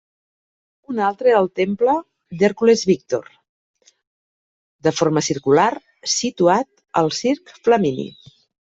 Un altre era el Temple d'Hèrcules Víctor, de forma circular, situat al Circ Flamini.